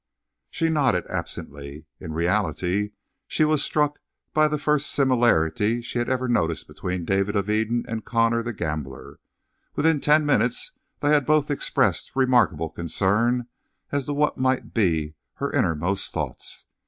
She nodded absently. In reality she was struck by the first similarity she had ever noticed between David of Eden and Connor the gambler: within ten minutes they had both expressed remarkable concern as to what might be her innermost thoughts.